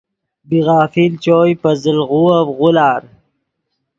بی غافل چوئے پے زل غووف غولار